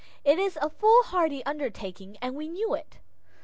It was a foolhardy undertaking, and we knew it.